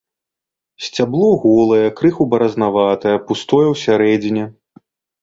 Сцябло голае, крыху баразнаватае, пустое ў сярэдзіне.